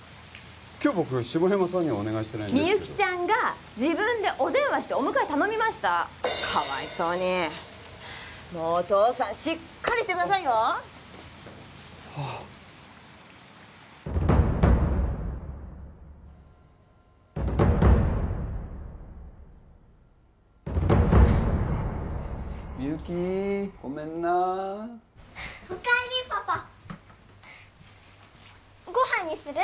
今日僕下山さんにはお願いしてないんですけどみゆきちゃんが自分でお電話してお迎え頼みましたかわいそうにもうお父さんしっかりしてくださいよはあみゆきーごめんなお帰りパパご飯にする？